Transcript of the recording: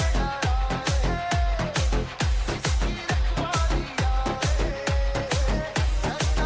สวัสดีครับ